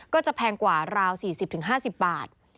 แพงกว่าราว๔๐๕๐บาท